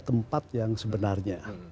tempat yang sebenarnya